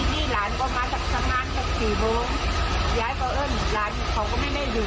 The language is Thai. รวมมาข้างล่างล่ะเขาอาบน้ำอยู่บ้านละนี่